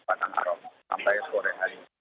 pada jam delapan sampai sore hari